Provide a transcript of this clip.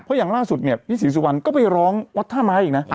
เพราะอย่างล่าสุดเนี่ยพี่ศรีสุวรรณก็ไปร้องวัดท่าไม้อีกนะ